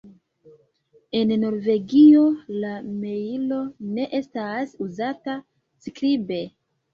En Norvegio la mejlo ne estas uzata skribe.